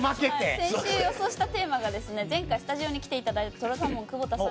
先週予想したテーマが前回、スタジオに来ていただいたとろサーモンの久保田さん。